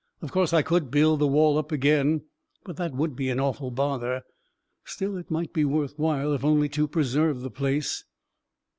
Of course I could build the wall up again — but that would be an awful bother. Still, it might be worth while, if only to preserve the place."